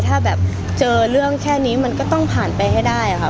ถ้าแบบเจอเรื่องแค่นี้มันก็ต้องผ่านไปให้ได้ค่ะ